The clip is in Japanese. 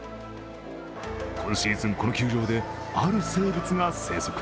今シーズン、この球場で、ある生物が生息。